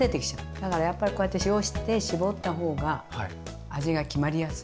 だからやっぱりこうやって塩して絞ったほうが味が決まりやすいのね。